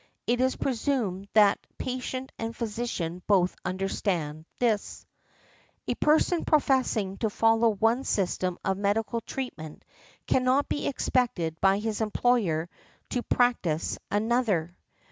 It is presumed that patient and physician both understand this . A person professing to follow one system of medical treatment cannot be expected by his employer to practise another.